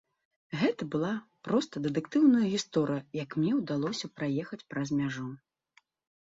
Гэта была проста дэтэктыўная гісторыя, як мне ўдалося праехаць праз мяжу.